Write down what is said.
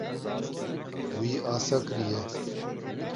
Wî asê kiriye.